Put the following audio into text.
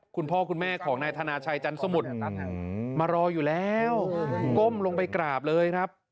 คุณพ่อคุณแม่ของนายธนาชัยจันสมุทรมารออยู่แล้วก้มลงไปกราบเลยครับ